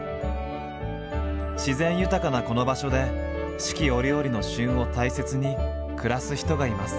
自然豊かなこの場所で四季折々の「旬」を大切に暮らす人がいます。